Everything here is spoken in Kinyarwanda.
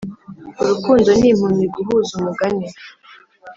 urukundo ni impumyi guhuza umugani